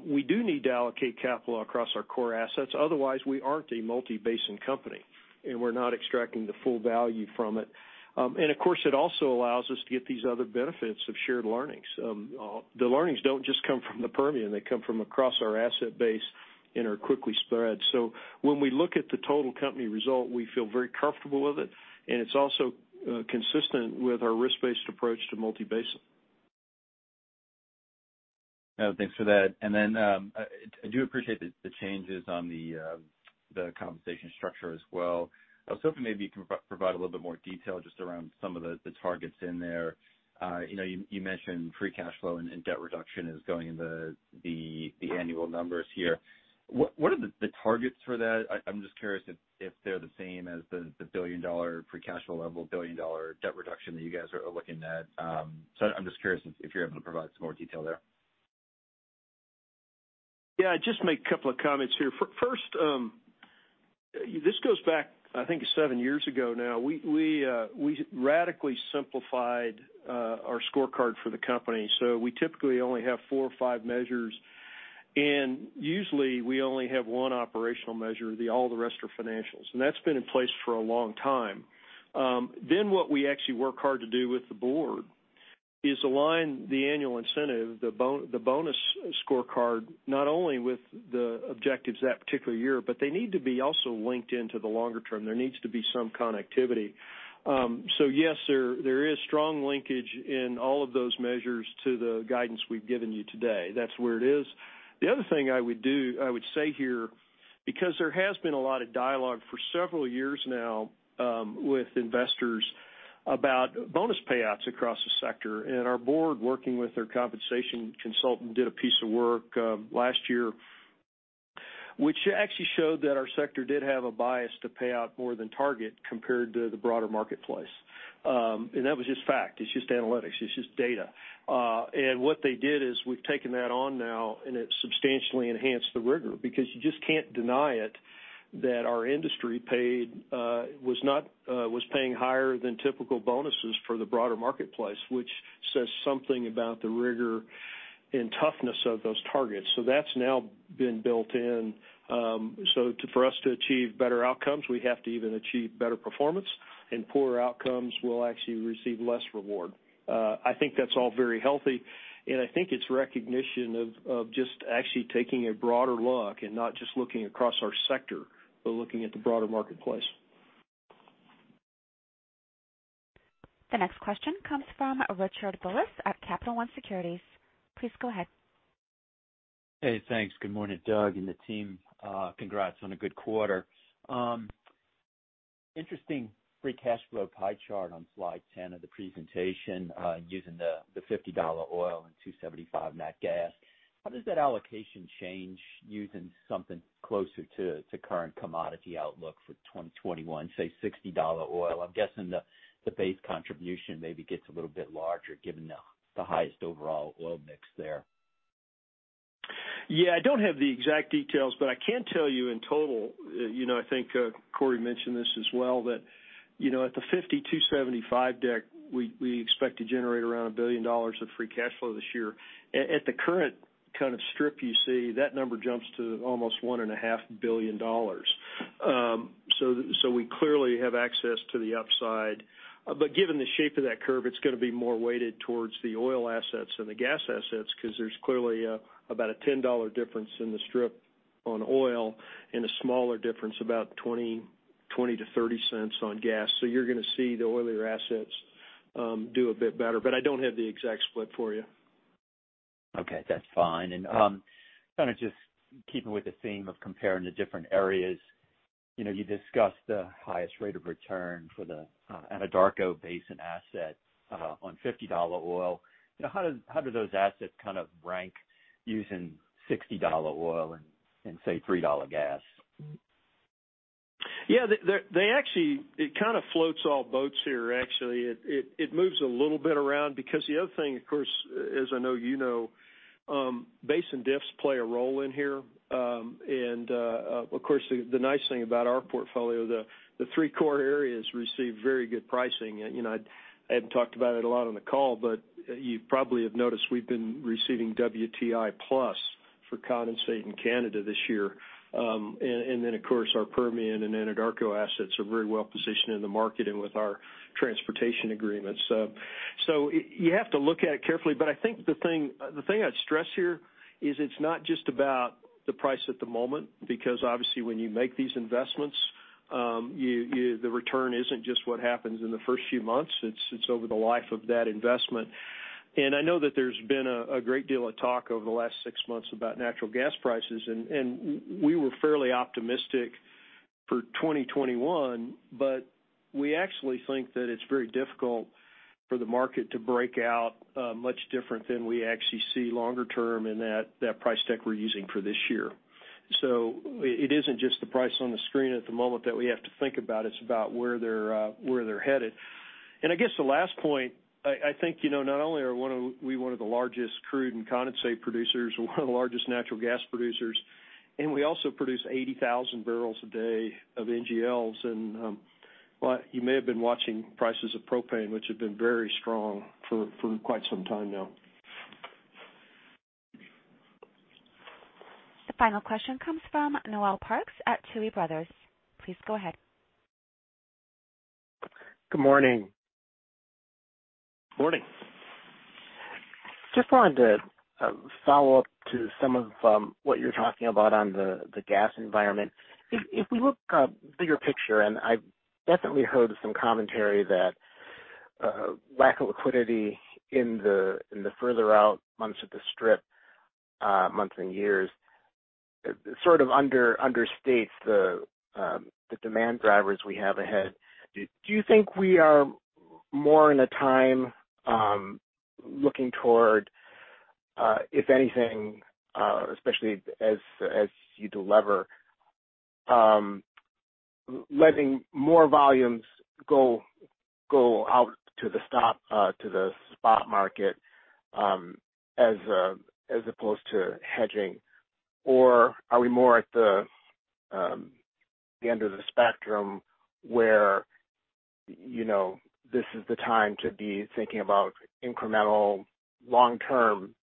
we do need to allocate capital across our core assets, otherwise we aren't a multi-basin company, and we're not extracting the full value from it. Of course, it also allows us to get these other benefits of shared learnings. The learnings don't just come from the Permian, they come from across our asset base and are quickly spread. When we look at the total company result, we feel very comfortable with it, and it's also consistent with our risk-based approach to multi-basin. No, thanks for that. Then, I do appreciate the changes on the compensation structure as well. I was hoping maybe you can provide a little bit more detail just around some of the targets in there. You mentioned free cash flow and debt reduction is going into the annual numbers here. What are the targets for that? I'm just curious if they're the same as the billion-dollar free cash flow level, billion-dollar debt reduction that you guys are looking at. I'm just curious if you're able to provide some more detail there. Yeah, I'll just make a couple of comments here. First, this goes back, I think, seven years ago now. We radically simplified our scorecard for the company. We typically only have four or five measures, and usually we only have one operational measure. All the rest are financials. That's been in place for a long time. What we actually work hard to do with the board is align the annual incentive, the bonus scorecard, not only with the objectives that particular year, but they need to be also linked into the longer term. There needs to be some connectivity. Yes, there is strong linkage in all of those measures to the guidance we've given you today. That's where it is. The other thing I would say here, because there has been a lot of dialogue for several years now with investors about bonus payouts across the sector, and our board, working with their compensation consultant, did a piece of work last year which actually showed that our sector did have a bias to pay out more than target compared to the broader marketplace. That was just fact. It's just analytics. It's just data. What they did is we've taken that on now, and it substantially enhanced the rigor because you just can't deny it that our industry was paying higher than typical bonuses for the broader marketplace, which says something about the rigor and toughness of those targets. That's now been built in. For us to achieve better outcomes, we have to even achieve better performance, and poorer outcomes will actually receive less reward. I think that's all very healthy, and I think it's recognition of just actually taking a broader look and not just looking across our sector, but looking at the broader marketplace. The next question comes from Richard Tullis at Capital One Securities. Please go ahead. Hey, thanks. Good morning, Doug and the team. Congrats on a good quarter. Interesting free cash flow pie chart on slide 10 of the presentation using the $50 oil and $2.75 nat gas. How does that allocation change using something closer to current commodity outlook for 2021, say $60 oil? I'm guessing the base contribution maybe gets a little bit larger given the highest overall oil mix there. I don't have the exact details, but I can tell you in total, I think Corey mentioned this as well, that at the $52.75 deck, we expect to generate around $1 billion of free cash flow this year. At the current kind of strip you see, that number jumps to almost $1.5 billion. We clearly have access to the upside. Given the shape of that curve, it's going to be more weighted towards the oil assets than the gas assets because there's clearly about a $10 difference in the strip on oil and a smaller difference, about $0.20-$0.30 on gas. You're going to see the oilier assets do a bit better. I don't have the exact split for you. Okay, that's fine. Kind of just keeping with the theme of comparing the different areas. You discussed the highest rate of return for the Anadarko Basin asset on $50 oil. How do those assets kind of rank using $60 oil and, say, $3 gas? Yeah. It kind of floats all boats here, actually. It moves a little bit around because the other thing, of course, as I know you know, basin diffs play a role in here. Of course, the nice thing about our portfolio, the three core areas receive very good pricing. I haven't talked about it a lot on the call, you probably have noticed we've been receiving WTI plus for condensate in Canada this year. Of course, our Permian and Anadarko assets are very well positioned in the market and with our transportation agreements. You have to look at it carefully, I think the thing I'd stress here is it's not just about the price at the moment, because obviously when you make these investments, the return isn't just what happens in the first few months, it's over the life of that investment. I know that there's been a great deal of talk over the last six months about natural gas prices, and we were fairly optimistic for 2021, but we actually think that it's very difficult for the market to break out much different than we actually see longer term in that price deck we're using for this year. It isn't just the price on the screen at the moment that we have to think about, it's about where they're headed. I guess the last point, I think, not only are we one of the largest crude and condensate producers and one of the largest natural gas producers, and we also produce 80,000 barrels a day of NGLs. You may have been watching prices of propane, which have been very strong for quite some time now. The final question comes from Noel Parks at Tuohy Brothers. Please go ahead. Good morning. Morning. Just wanted to follow up to some of what you're talking about on the gas environment. If we look bigger picture, I've definitely heard some commentary that lack of liquidity in the further out months of the strip, months and years, sort of understates the demand drivers we have ahead. Do you think we are more in a time looking toward, if anything, especially as you de-lever, letting more volumes go out to the spot market, as opposed to hedging? Are we more at the end of the spectrum where this is the time to be thinking about incremental long-term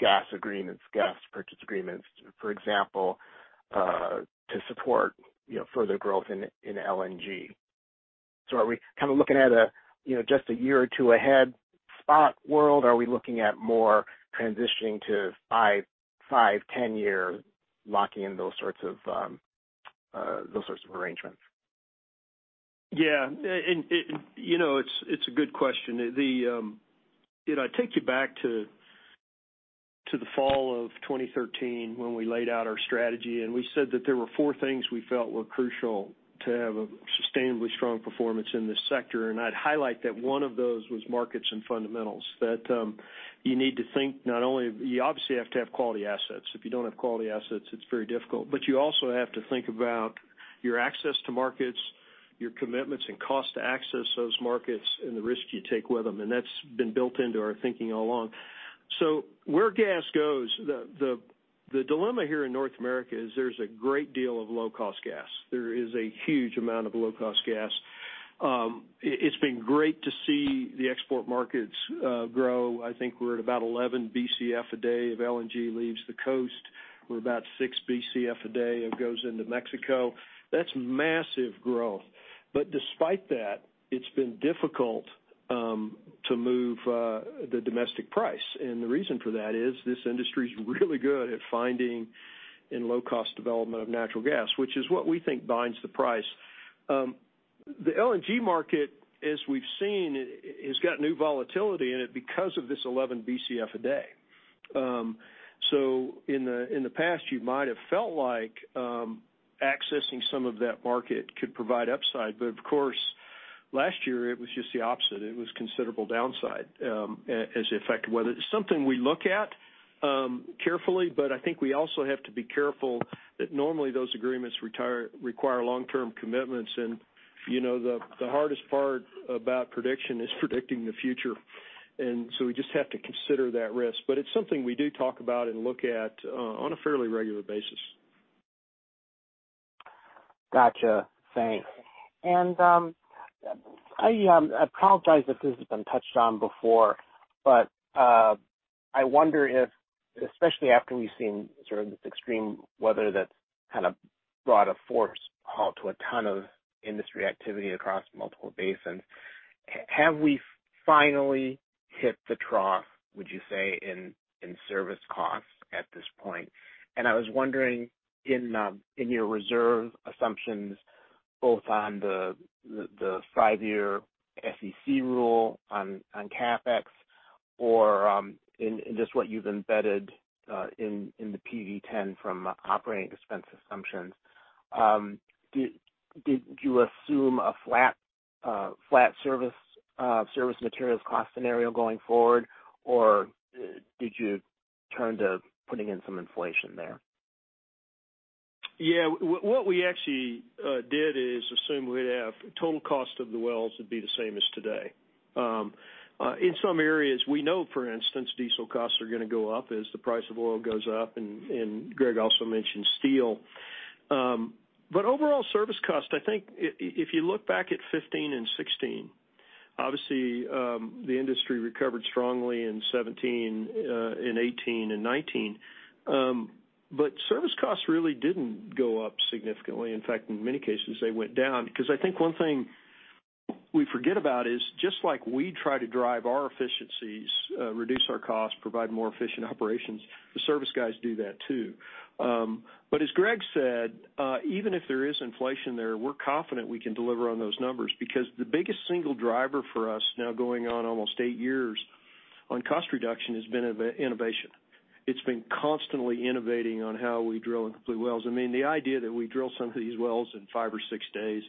gas agreements, gas purchase agreements, for example, to support further growth in LNG? Are we kind of looking at just a year or two ahead spot world? Are we looking at more transitioning to five, 10-year locking in those sorts of arrangements? Yeah. It's a good question. I take you back to the fall of 2013 when we laid out our strategy, and we said that there were four things we felt were crucial to have a sustainably strong performance in this sector. I'd highlight that one of those was markets and fundamentals, that you need to think you obviously have to have quality assets. If you don't have quality assets, it's very difficult. You also have to think about your access to markets, your commitments and cost to access those markets, and the risk you take with them. That's been built into our thinking all along. Where gas goes, the dilemma here in North America is there's a great deal of low-cost gas. There is a huge amount of low-cost gas. It's been great to see the export markets grow. I think we're at about 11 Bcf a day of LNG leaves the coast. We're about six Bcf a day that goes into Mexico. That's massive growth. Despite that, it's been difficult to move the domestic price. The reason for that is this industry's really good at finding in low-cost development of natural gas, which is what we think binds the price. The LNG market, as we've seen, has got new volatility in it because of this 11 Bcf a day. In the past, you might have felt like accessing some of that market could provide upside. Of course, last year it was just the opposite. It was considerable downside as affected. It's something we look at carefully, but I think we also have to be careful that normally those agreements require long-term commitments. The hardest part about prediction is predicting the future. We just have to consider that risk. It's something we do talk about and look at on a fairly regular basis. Got you. Thanks. I apologize if this has been touched on before, but I wonder if, especially after we've seen sort of this extreme weather that's kind of brought a force halt to a ton of industry activity across multiple basins. Have we finally hit the trough, would you say, in service costs at this point? I was wondering in your reserve assumptions, both on the five-year SEC rule on CapEx or in just what you've embedded in the PV-10 from operating expense assumptions. Did you assume a flat service materials cost scenario going forward? Or did you turn to putting in some inflation there? Yeah. What we actually did is assume we'd have total cost of the wells would be the same as today. In some areas we know, for instance, diesel costs are going to go up as the price of oil goes up. Greg also mentioned steel. Overall service cost, I think if you look back at 2015 and 2016, obviously, the industry recovered strongly in 2017, in 2018, and 2019. Service costs really didn't go up significantly. In fact, in many cases, they went down. Because I think one thing we forget about is just like we try to drive our efficiencies, reduce our costs, provide more efficient operations, the service guys do that too. As Greg said, even if there is inflation there, we're confident we can deliver on those numbers because the biggest single driver for us now going on almost eight years on cost reduction has been innovation. It's been constantly innovating on how we drill and complete wells. The idea that we drill some of these wells in five or six days,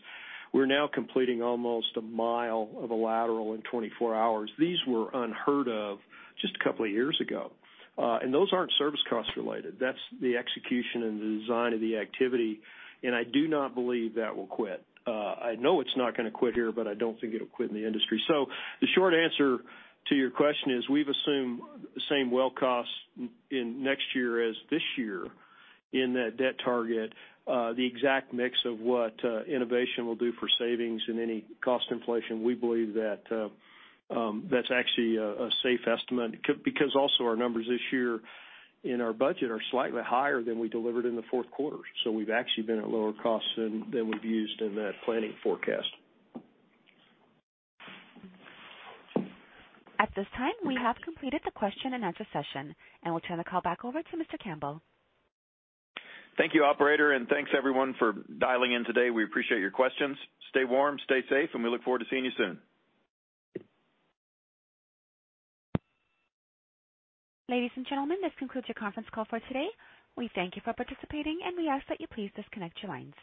we're now completing almost a mile of a lateral in 24 hours. These were unheard of just a couple of years ago. Those aren't service cost related. That's the execution and the design of the activity. I do not believe that will quit. I know it's not going to quit here. I don't think it'll quit in the industry. The short answer to your question is we've assumed the same well cost in next year as this year in that debt target. The exact mix of what innovation will do for savings and any cost inflation, we believe that's actually a safe estimate because also our numbers this year in our budget are slightly higher than we delivered in the fourth quarter. We've actually been at lower costs than we've used in that planning forecast. At this time, we have completed the question-and-answer session, and we'll turn the call back over to Mr. Campbell. Thank you, operator, and thanks everyone for dialing in today. We appreciate your questions. Stay warm, stay safe, and we look forward to seeing you soon. Ladies and gentlemen, this concludes your conference call for today. We thank you for participating, and we ask that you please disconnect your lines.